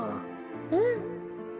うん。